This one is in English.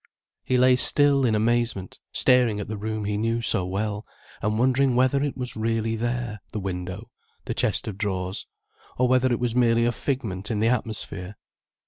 He lay still in amazement, staring at the room he knew so well, and wondering whether it was really there, the window, the chest of drawers, or whether it was merely a figment in the atmosphere.